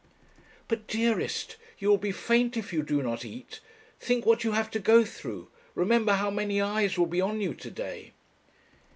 'But, dearest, you will be faint if you do not eat; think what you have to go through; remember how many eyes will be on you to day.'